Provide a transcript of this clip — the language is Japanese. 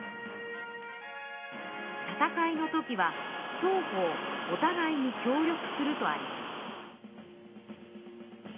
「戦いの時は双方お互いに協力する」とあります。